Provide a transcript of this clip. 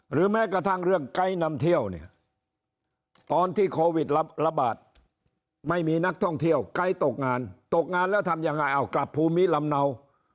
แม้กระทั่งเรื่องไกด์นำเที่ยวเนี่ยตอนที่โควิดระบาดไม่มีนักท่องเที่ยวไกด์ตกงานตกงานแล้วทำยังไงเอากลับภูมิลำเนา